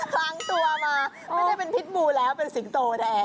ล้างตัวมาไม่ได้เป็นพิษบูแล้วเป็นสิงโตแดง